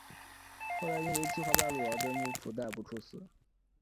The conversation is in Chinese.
后来因为计划败露而被幕府逮捕处死。